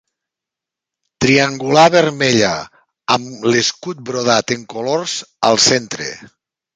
Triangular vermella, amb l'escut brodat en colors al centre.